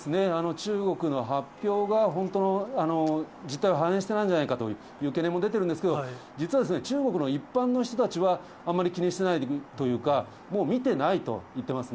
中国の発表が、本当の実態を反映していないんじゃないかという懸念も出ているんですけれども、実は中国の一般の人たちは、あんまり気にしていないというか、もう見てないと言ってますね。